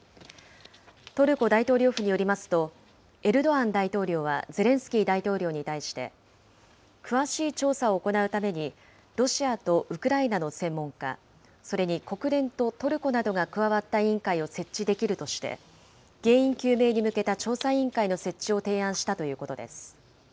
トルコ大統領府によりますと、エルドアン大統領はゼレンスキー大統領に対して、詳しい調査を行うために、ロシアとウクライナの専門家、それに国連とトルコなどが加わった委員会を設置できるとして、原因究明に向けた調査委員会の設置を提案したということです。